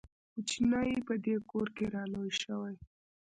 کوچنی په دې کور کې را لوی شوی.